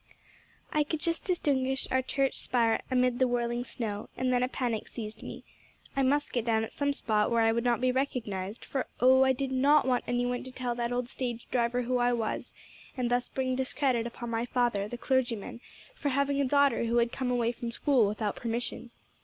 "I could just distinguish our church spire amid the whirling snow; and then a panic seized me. I must get down at some spot where I would not be recognized, for oh, I did not want any one to tell that old stage driver who I was, and thus bring discredit upon my father, the clergyman, for having a daughter who had come away from school without permission.